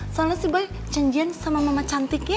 soalnya si boy cendian sama mama cantik ya